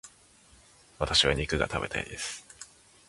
私は肉が食べたいです。